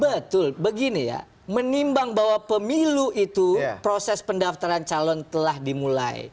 betul begini ya menimbang bahwa pemilu itu proses pendaftaran calon telah dimulai